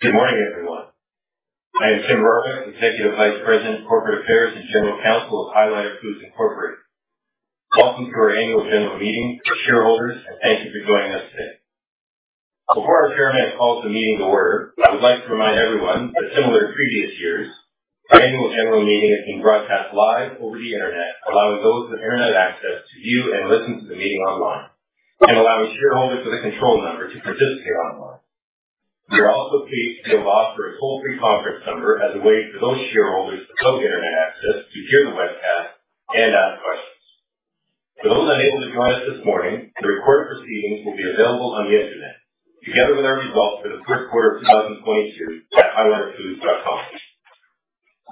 Good morning, everyone. I am Tim Rorabeck, Executive Vice President, Corporate Affairs & General Counsel of High Liner Foods Incorporated. Welcome to our annual general meeting for shareholders, and thank you for joining us today. Before our chairman calls the meeting to order, I would like to remind everyone that similar to previous years, our annual general meeting is being broadcast live over the Internet, allowing those with Internet access to view and listen to the meeting online and allowing shareholders with a control number to participate online. We are also pleased to have offered a toll-free conference number as a way for those shareholders without Internet access to hear the webcast and ask questions. For those unable to join us this morning, the recorded proceedings will be available on the Internet together with our results for the first quarter of 2022 at highlinerfoods.com.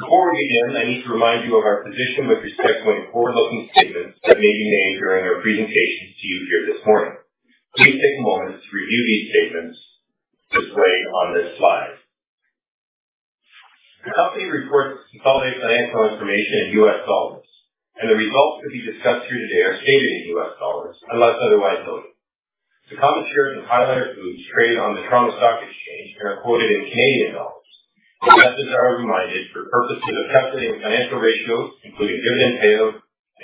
Before we begin, I need to remind you of our position with respect to any forward-looking statements that may be made during our presentation to you here this morning. Please take a moment to review these statements displayed on this slide. The company reports consolidated financial information in U.S. dollars, and the results to be discussed here today are stated in U.S. dollars unless otherwise noted. The common shares of High Liner Foods trade on the Toronto Stock Exchange are quoted in Canadian dollars. Investors are reminded for purposes of calculating financial ratios, including dividend payout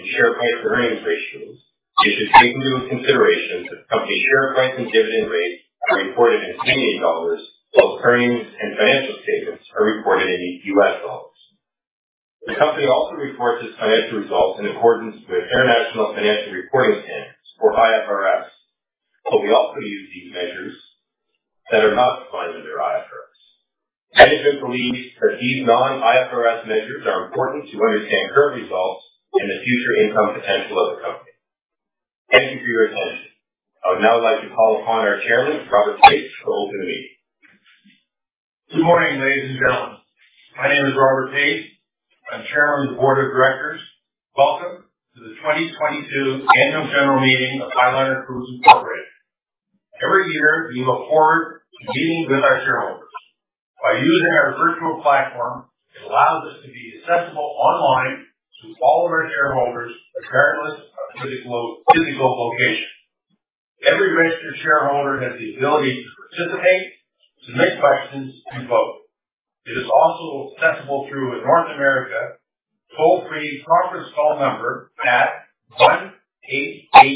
and share price to earnings ratios, you should take into consideration that company share price and dividend rates are reported in Canadian dollars while earnings and financial statements are reported in U.S. dollars. The company also reports its financial results in accordance with International Financial Reporting Standards or IFRS, but we also use these measures that are not defined under IFRS. Management believes that these non-IFRS measures are important to understand current results and the future income potential of the company. Thank you for your attention. I would now like to call upon our Chairman, Robert Pace, to open the meeting. Good morning, ladies and gentlemen. My name is Robert Pace. I'm Chairman of the board of directors. Welcome to the 2022 annual general meeting of High Liner Foods Incorporated. Every year, we look forward to meeting with our shareholders. By using our virtual platform, it allows us to be accessible online to all of our shareholders regardless of physical location. Every registered shareholder has the ability to participate, to ask questions, and vote. It is also accessible through a North American toll-free conference call number at 1-888-301-8688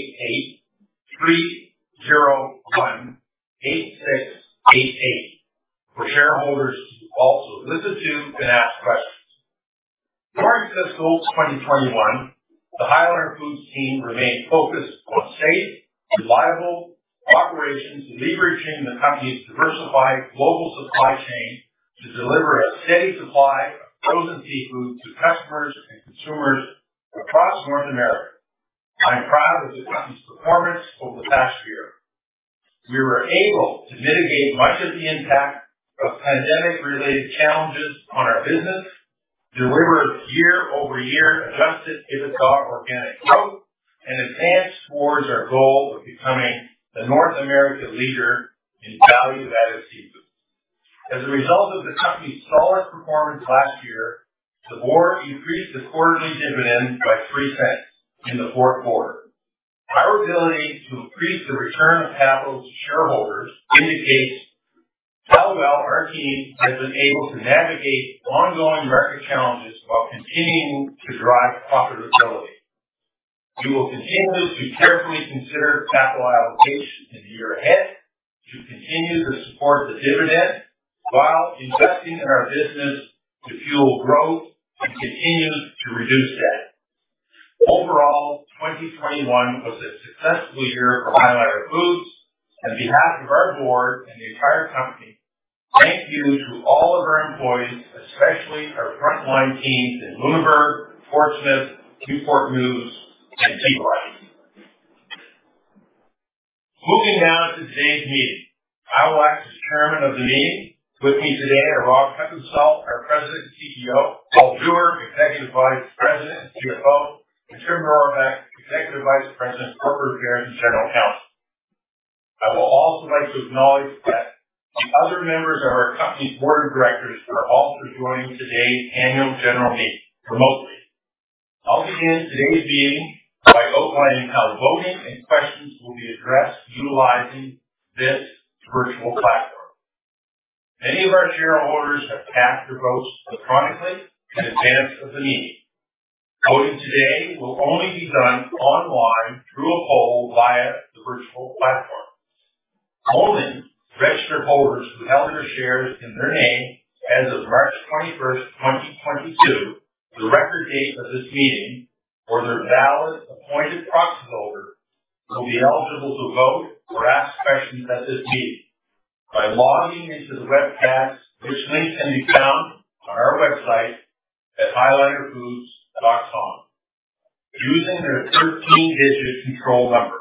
for shareholders to also listen to and ask questions. During fiscal 2021, the High Liner Foods team remained focused on safe, reliable operations, leveraging the company's diversified global supply chain to deliver a steady supply of frozen seafood to customers and consumers across North America. I am proud of the company's performance over the past year. We were able to mitigate much of the impact of pandemic related challenges on our business, deliver year-over-year Adjusted EBITDA organic growth, and advance towards our goal of becoming the North American leader in value-added seafood. As a result of the company's solid performance last year, the board increased its quarterly dividend by $0.03 in the fourth quarter. Our ability to increase the return of capital to shareholders indicates how well our team has been able to navigate ongoing market challenges while continuing to drive profitability. We will continue to carefully consider capital allocation in the year ahead to continue to support the dividend while investing in our business to fuel growth and continue to reduce debt. Overall, 2021 was a successful year for High Liner Foods. On behalf of our board and the entire company, thank you to all of our employees, especially our frontline teams in Lunenburg, Portsmouth, Newport News, and [T-Rise. Moving now into today's meeting. I will act as chairman of the meeting. With me today are Rod Hepponstall, our President and CEO, Paul Jewer, Executive Vice President and CFO, and Tim Rorabeck, Executive Vice President, Corporate Affairs, and General Counsel. I will also like to acknowledge that the other members of our company's board of directors are also joining today's annual general meeting remotely. I'll begin today's meeting by outlining how voting and questions will be addressed utilizing this virtual platform. Many of our shareholders have cast their votes electronically in advance of the meeting. Voting today will only be done online through a poll via the virtual platform. Only registered voters who held their shares in their name as of March 21, 2022, the record date of this meeting or their valid appointed proxy voter will be eligible to vote or ask questions at this meeting by logging into the webcast, which links can be found on our website at highlinerfoods.com, using their 13-digit control number.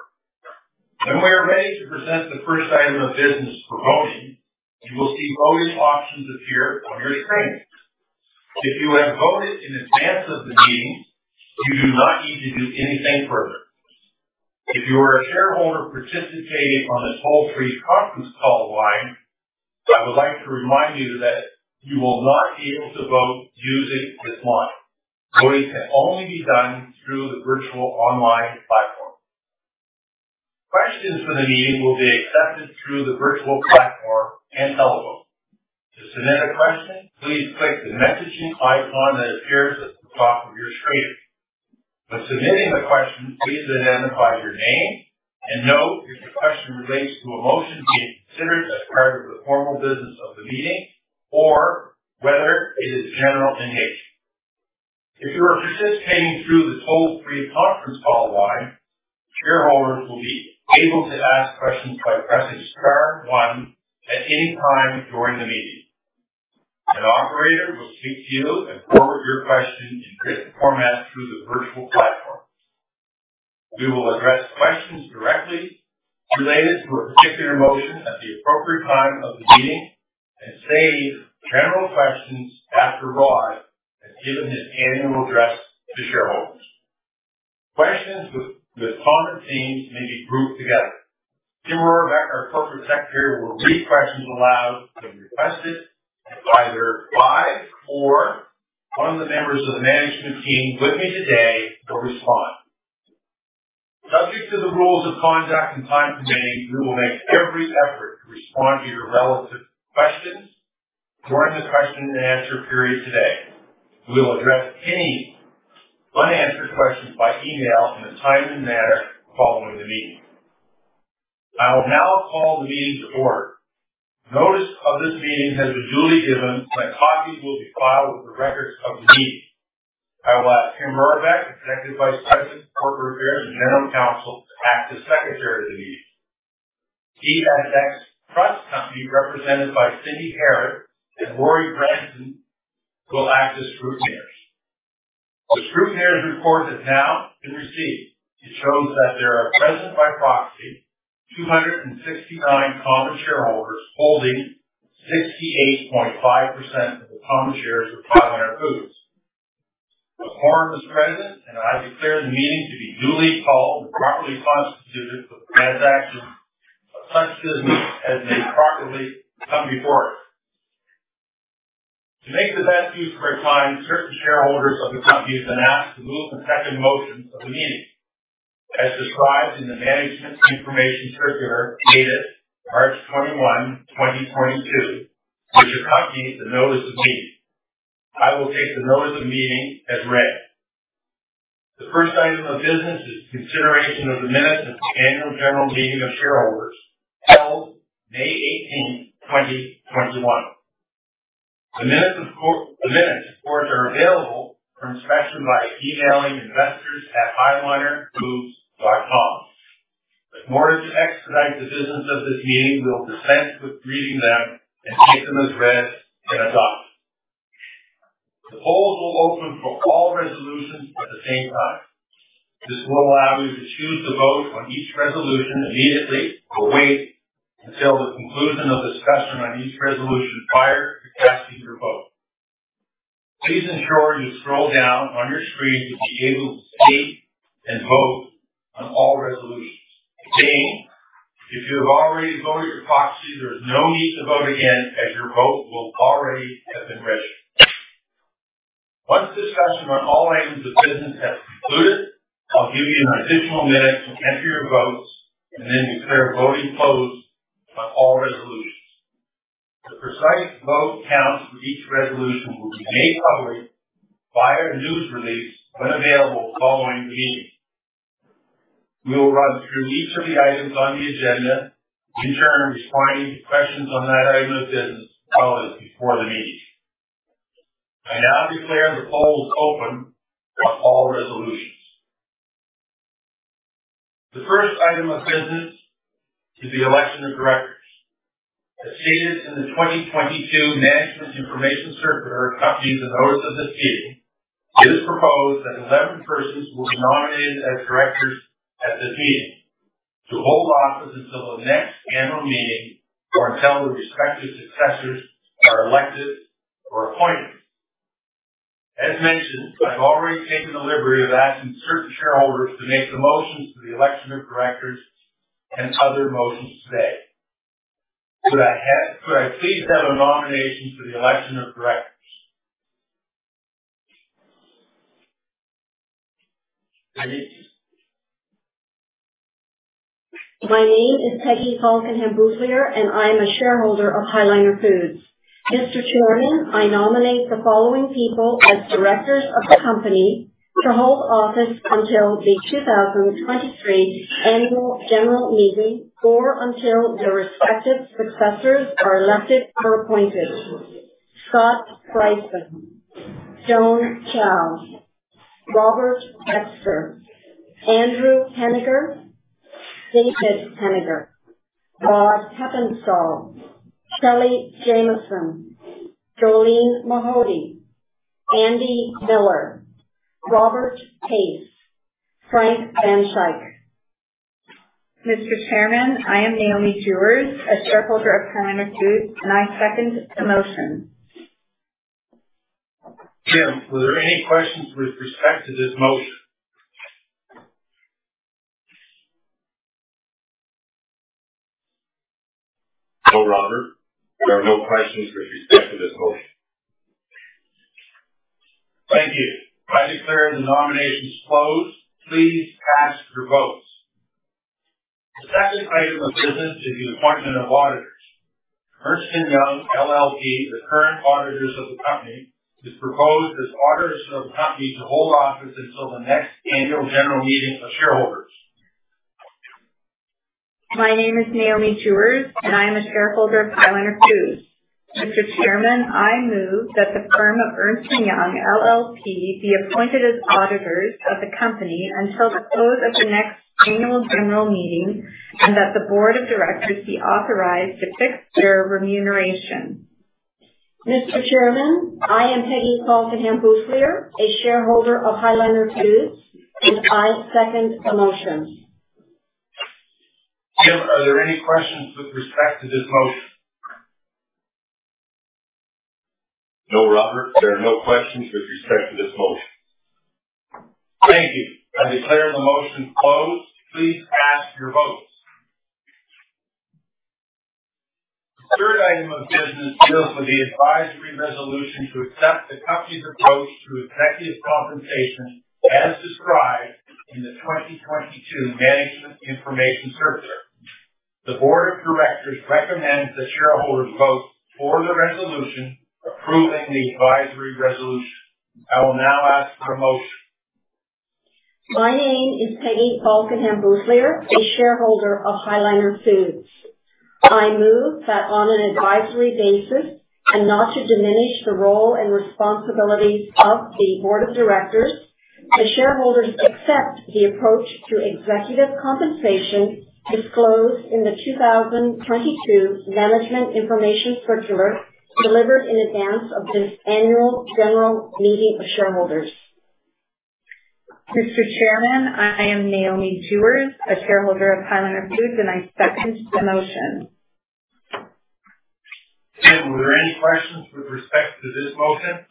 When we are ready to present the first item of business for voting, you will see voting options appear on your screen. If you have voted in advance of the meeting, you do not need to do anything further. If you are a shareholder participating on this toll-free conference call line, I would like to remind you that you will not be able to vote using this line. Voting can only be done through the virtual online platform. Questions for the meeting will be accepted through the virtual platform and telephone. To submit a question, please click the messaging icon that appears at the top of your screen. When submitting the question, please identify your name and note if your question relates to a motion being considered as part of the formal business of the meeting or whether it is general in nature. If you are participating through the toll-free conference call line, shareholders will be able to ask questions by pressing star one at any time during the meeting. An operator will speak to you and forward your question in written format through the virtual platform. We will address questions directly related to a particular motion at the appropriate time of the meeting and save general questions after Rod has given his annual address to shareholders. Questions with common themes may be grouped together. Tim Rorabeck, our corporate secretary, will read questions aloud when requested, and either Rod or one of the members of the management team with me today will respond. Subject to the rules of conduct and time permitting, we will make every effort to respond to your relevant questions during the question and answer period today. We will address any unanswered questions by email in a timely manner following the meeting. I will now call the meeting to order. Notice of this meeting has been duly given, and copies will be filed with the records of the meeting. I will ask Tim Rorabeck, Executive Vice President, Corporate Affairs & General Counsel, to act as Secretary of the meeting. TSX Trust Company, represented by Cindy Parrott and Rory Branson, will act as scrutineers. The scrutineers report has now been received. It shows that there are present by proxy 269 common shareholders holding 68.5% of the common shares of High Liner Foods. A quorum is present, and I declare the meeting to be duly called and properly constituted for the transaction of such business as may properly come before it. To make the best use of our time, certain shareholders of the company have been asked to move and second motions of the meeting as described in the Management Information Circular dated March 21, 2022, which accompanies the Notice of Meeting. I will take the Notice of Meeting as read. The first item of business is consideration of the minutes of the Annual General Meeting of Shareholders held May 18, 2021. The minutes, of course, are available for inspection by emailing investors at highlinerfoods.com. In order to expedite the business of this meeting, we will dispense with reading them and take them as read and adopt. The polls will open for all resolutions at the same time. This will allow you to choose to vote on each resolution immediately or wait until the conclusion of discussion on each resolution prior to casting your vote. Please ensure you scroll down on your screen to be able to see and vote on all resolutions. Again, if you have already voted your proxy, there is no need to vote again as your vote will already have been registered. Once discussion on all items of business has concluded, I'll give you an additional minute to enter your votes and then declare voting closed on all resolutions. The precise vote count for each resolution will be made public via news release when available following the meeting. We will run through each of the items on the agenda, in turn, responding to questions on that item of business as filed before the meeting. I now declare the polls open on all resolutions. The first item of business is the election of directors. As stated in the 2022 Management Information Circular accompanying the notice of this meeting, it is proposed that 11 persons will be nominated as directors at this meeting to hold office until the next annual meeting or until their respective successors are elected or appointed. As mentioned, I've already taken the liberty of asking certain shareholders to make the motions for the election of directors and other motions today. Could I please have a nomination for the election of directors? My name is Peggy Falkenham Boutilier, and I am a shareholder of High Liner Foods. Mr. Chairman, I nominate the following people as directors of the company to hold office until the 2023 Annual General Meeting or until their respective successors are elected or appointed. Scott Brison, Joan Chow, Robert Dexter, Andy Hennigar, David Hennigar, Rodney Hepponstall, Shelly Jamieson, Jolene Mahody, Andy Miller, Robert Pace, Frank van Schaayk. Mr. Chairman, I am Naomi Jewers, a shareholder of High Liner Foods, and I second the motion. Tim, were there any questions with respect to this motion? No, Robert, there are no questions with respect to this motion. Thank you. I declare the nominations closed. Please cast your votes. The second item of business is the appointment of auditors. Ernst & Young LLP, the current auditors of the company, is proposed as auditors of the company to hold office until the next annual general meeting of shareholders. My name is Naomi Jewers, and I am a shareholder of High Liner Foods. Mr. Chairman, I move that the firm of Ernst & Young LLP be appointed as auditors of the company until the close of the next annual general meeting, and that the board of directors be authorized to fix their remuneration. Mr. Chairman, I am Peggy Falkenham-Boutilier, a shareholder of High Liner Foods, and I second the motion. Tim, are there any questions with respect to this motion? No, Robert, there are no questions with respect to this motion. Thank you. I declare the motion closed. Please cast your votes. The third item of business deals with the advisory resolution to accept the company's approach to executive compensation as described in the 2022 Management Information Circular. The board of directors recommends that shareholders vote for the resolution approving the advisory resolution. I will now ask for a motion. My name is Peggy Falkenham Boutilier, a shareholder of High Liner Foods. I move that, on an advisory basis and not to diminish the role and responsibilities of the board of directors, the shareholders accept the approach to executive compensation disclosed in the 2022 Management Information Circular delivered in advance of this annual general meeting of shareholders. Mr. Chairman, I am Naomi Jewers, a shareholder of High Liner Foods, and I second the motion. Tim, are there any questions with respect to this motion?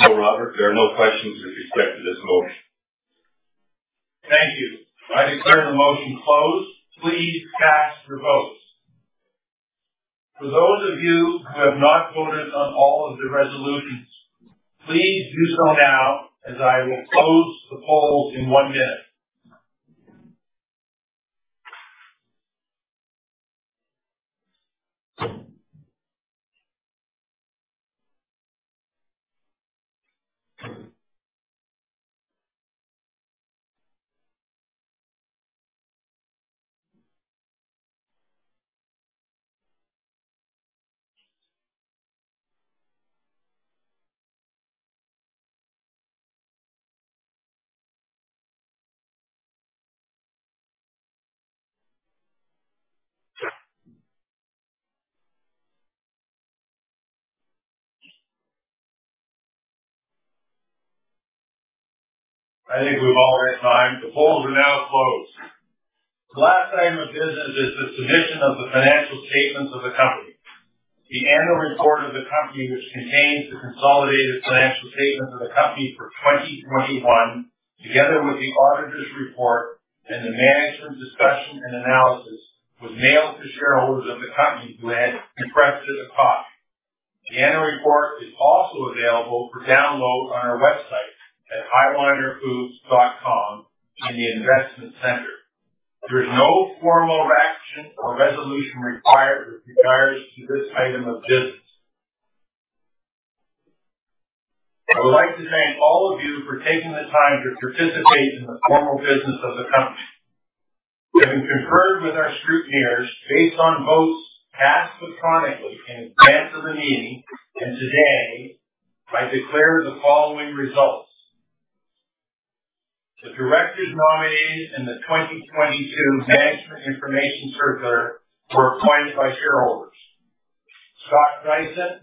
No, Robert, there are no questions with respect to this motion. Thank you. I declare the motion closed. Please cast your votes. For those of you who have not voted on all of the resolutions, please do so now as I will close the polls in one minute. I think we've all had time. The polls are now closed. The last item of business is the submission of the financial statements of the company. The annual report of the company, which contains the consolidated financial statements of the company for 2021, together with the auditor's report and the management discussion and analysis, was mailed to shareholders of the company who had expressed interest. The annual report is also available for download on our website at highlinerfoods.com in the investment center. There is no formal action or resolution required with regards to this item of business. I would like to thank all of you for taking the time to participate in the formal business of the company. Having conferred with our scrutineers based on votes cast electronically in advance of the meeting, and today I declare the following results. The directors nominated in the 2022 Management Information Circular were appointed by shareholders. Scott Brison,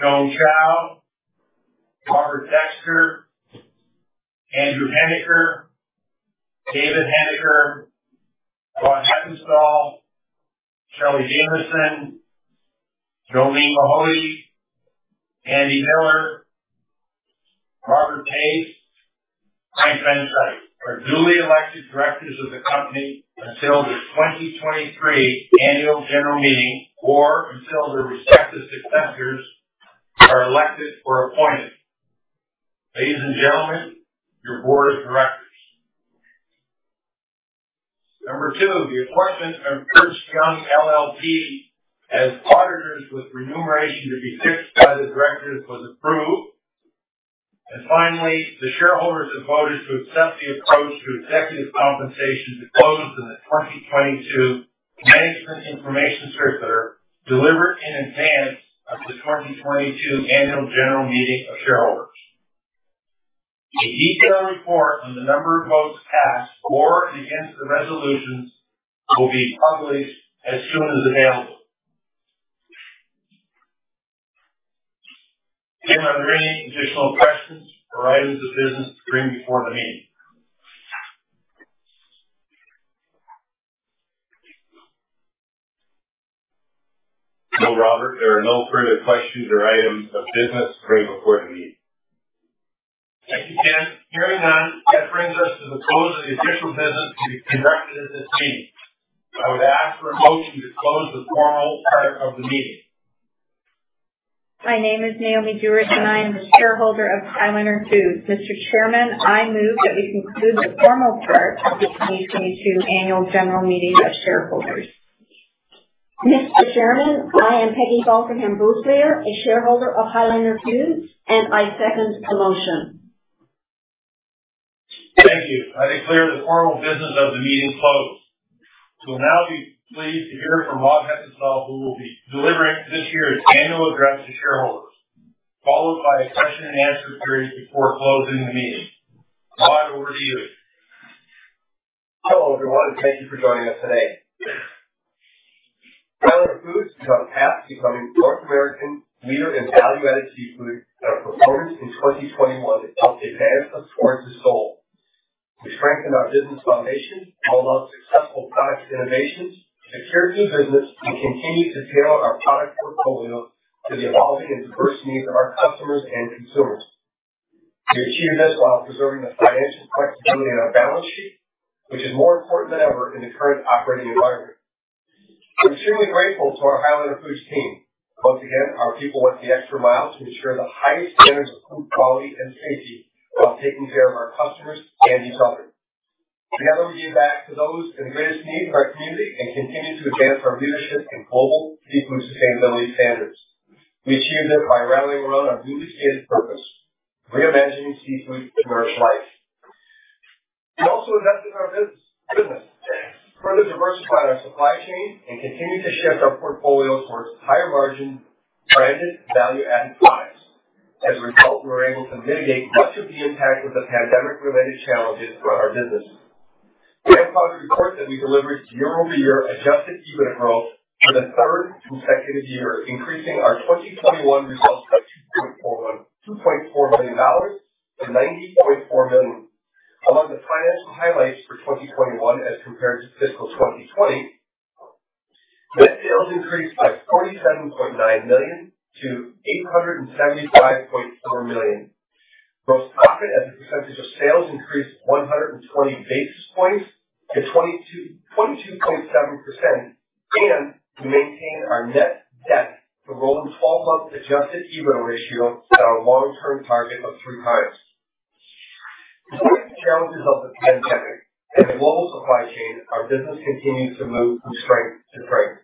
Joan Chow, Robert Dexter, Andy Hennigar, David Hennigar, Rod Hepponstall, Shelly Jamieson, Jolene Mahody, Andy Miller, Robert Pace, Frank van Schaayk, are duly elected directors of the company until the 2023 annual general meeting, or until their respective successors are elected or appointed. Ladies and gentlemen, your board of directors. Number two, the appointment of Ernst & Young LLP as auditors with remuneration to be fixed by the directors was approved. Finally, the shareholders have voted to accept the approach to executive compensation disclosed in the 2022 Management Information Circular delivered in advance of the 2022 annual general meeting of shareholders. A detailed report on the number of votes cast for and against the resolutions will be published as soon as available. Tim, are there any additional questions or items of business to bring before the meeting? No, Robert, there are no further questions or items of business to bring before the meeting. Again, hearing none, that brings us to the close of the official business to be conducted at this meeting. I would ask for a motion to close the formal part of the meeting. My name is Naomi Jewers, and I am a shareholder of High Liner Foods. Mr. Chairman, I move that we conclude the formal part of the 2022 annual general meeting of shareholders. Mr. Chairman, I am Peggy Falkenham Boutilier, a shareholder of High Liner Foods, and I second the motion. Thank you. I declare the formal business of the meeting closed. We'll now be pleased to hear from Rod Hepponstall, who will be delivering this year's annual address to shareholders, followed by a question and answer period before closing the meeting. Rod, over to you. Hello, everyone, and thank you for joining us today. High Liner Foods is on path to becoming North American leader in value-added seafood, and our performance in 2021 helped advance us towards this goal. We strengthened our business foundation, rolled out successful product innovations, secured new business, and continued to tailor our product portfolio to the evolving and diverse needs of our customers and consumers. We achieved this while preserving the financial flexibility in our balance sheet, which is more important than ever in the current operating environment. I'm extremely grateful to our High Liner Foods team. Once again, our people went the extra mile to ensure the highest standards of food quality and safety while taking care of our customers and each other. Together, we gave back to those in the greatest need in our community and continued to advance our leadership in global seafood sustainability standards. We achieved this by rallying around our newly stated purpose: reimagining seafood to nourish life. We also invested in our business, further diversified our supply chain, and continued to shift our portfolio towards higher margin branded value-added products. As a result, we were able to mitigate much of the impact of the pandemic-related challenges on our business. I am proud to report that we delivered year-over-year adjusted EBIT growth for the third consecutive year, increasing our 2021 results by $2.4 million to $90.4 million. Among the financial highlights for 2021 as compared to fiscal 2020, net sales increased by $47.9 million to $875.4 million. Gross profit as a percentage of sales increased 120 basis points to 22.7%. We maintained our net debt to rolling twelve-month adjusted EBIT ratio at our long-term target of 3x. Despite the challenges of the pandemic and the global supply chain, our business continues to move from strength to strength.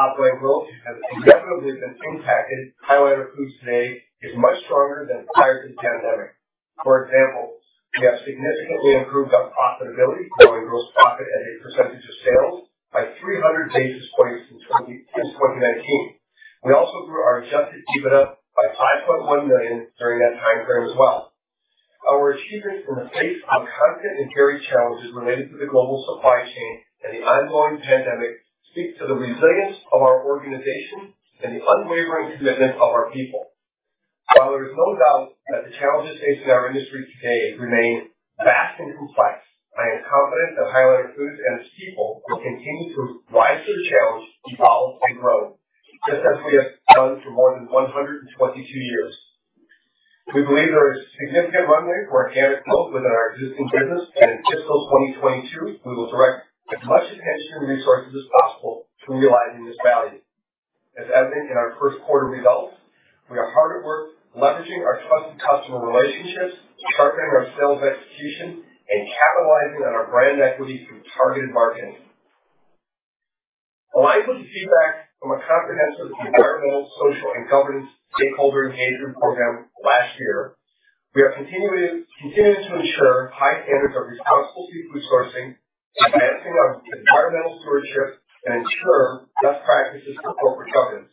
While top line growth has inevitably been impacted, High Liner Foods today is much stronger than prior to the pandemic. For example, we have significantly improved our profitability, growing gross profit as a percentage of sales by 300 basis points since 2019. We also grew our Adjusted EBITDA by $5.1 million during that time frame as well. Our achievements in the face of constant and varied challenges related to the global supply chain and the ongoing pandemic speak to the resilience of our organization and the unwavering commitment of our people. While there is no doubt that the challenges facing our industry today remain vast and complex, I am confident that High Liner Foods and its people will continue to rise to the challenge, evolve and grow, just as we have done for more than 122 years. We believe there is significant runway for organic growth within our existing business, and in fiscal 2022, we will direct as much attention and resources as possible to realizing this value. As evident in our first quarter results, we are hard at work leveraging our trusted customer relationships, sharpening our sales execution, and capitalizing on our brand equity through targeted marketing. Aligned with the feedback from a comprehensive environmental, social, and governance stakeholder engagement program last year, we are continuing to ensure high standards of responsible seafood sourcing, advancing our environmental stewardship, and ensure best practices for corporate governance.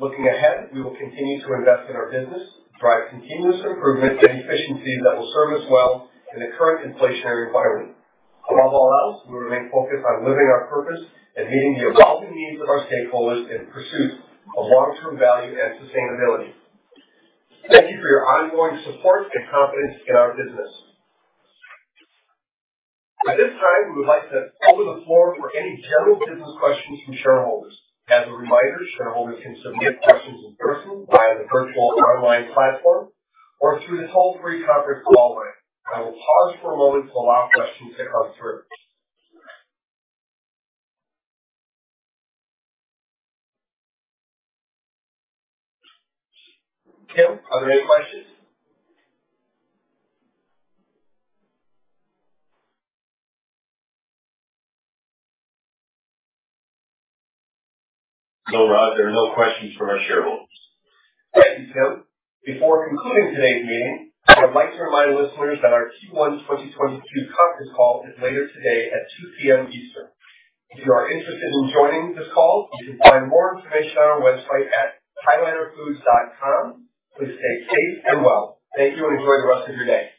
Looking ahead, we will continue to invest in our business, drive continuous improvement and efficiency that will serve us well in the current inflationary environment. Above all else, we remain focused on living our purpose and meeting the evolving needs of our stakeholders in pursuit of long-term value and sustainability. Thank you for your ongoing support and confidence in our business. At this time, we would like to open the floor for any general business questions from shareholders. As a reminder, shareholders can submit questions in person, via the virtual online platform or through the toll-free conference call line. I will pause for a moment to allow questions to come through. Tim, are there any questions? No, Rod, there are no questions from our shareholders. Thank you, Tim. Before concluding today's meeting, I would like to remind listeners that our Q1 2022 conference call is later today at 2:00 P.M. Eastern. If you are interested in joining this call, you can find more information on our website at highlinerfoods.com. Please stay safe and well. Thank you and enjoy the rest of your day.